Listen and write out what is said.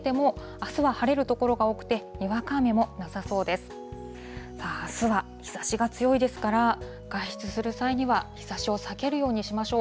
あすは日ざしが強いですから、外出する際には、日ざしを避けるようにしましょう。